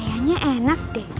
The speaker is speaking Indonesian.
sayanya enak deh